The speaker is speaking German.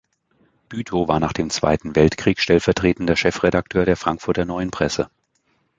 Bütow war nach dem Zweiten Weltkrieg stellvertretender Chefredakteur der Frankfurter Neuen Presse.